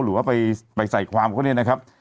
หรือว่าไปใส่ความเขาเนี่ยนะครับ